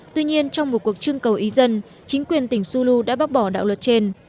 tuy nhiên trong một cuộc trưng cầu ý dân chính quyền tỉnh sulu đã bác bỏ đạo luật trên